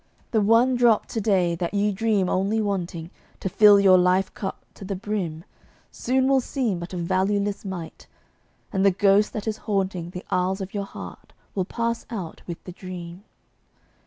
The one drop to day, that you deem only wanting To fill your life cup to the brim, soon will seem But a valueless mite; and the ghost that is haunting The aisles of your heart will pass out with the dream.